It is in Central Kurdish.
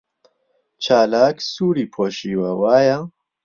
چالاک سووری پۆشیوە، وایە؟